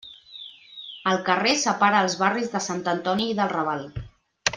El carrer separa els barris de Sant Antoni i del Raval.